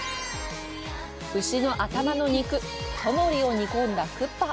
牛の頭の肉、ソモリを煮込んだクッパ。